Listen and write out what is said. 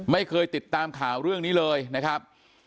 ไม่เคยติดตามข่าวเรื่องนี้เลยนะครับ